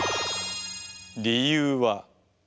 理由は？